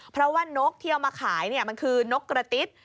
เพราะว่านกที่เอามาขายมันคือนกกระติ๊บ